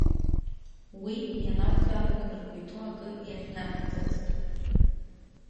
Уи, ианакәзаалак ргәы иҭоу акы иахьнамгӡацт.